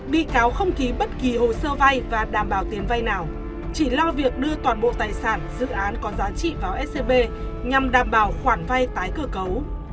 bị cáo không ký bất kỳ hồ sơ vay và đảm bảo tiền vay nào chỉ lo việc đưa toàn bộ tài sản dự án có giá trị vào scb nhằm đảm bảo khoản vay tái cơ cấu